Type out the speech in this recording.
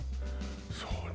そうね